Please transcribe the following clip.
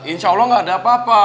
insya allah gak ada apa apa